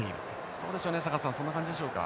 どうでしょうね坂田さんそんな感じでしょうか。